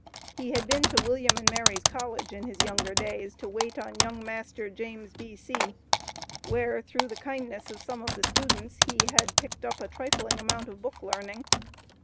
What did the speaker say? He had been to William and Mary's College in his younger days, to wait on young master James B.C., where, through the kindness of some of the students he had picked up a trifling amount of book learning.